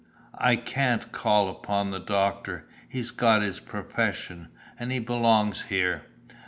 I can't call upon the doctor; he's got his profession, and he belongs here.